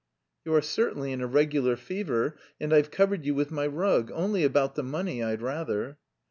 "You are certainly in a regular fever and I've covered you with my rug; only about the money, I'd rather."